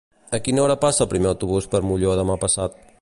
A quina hora passa el primer autobús per Molló demà passat?